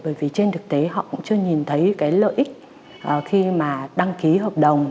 bởi vì trên thực tế họ cũng chưa nhìn thấy cái lợi ích khi mà đăng ký hợp đồng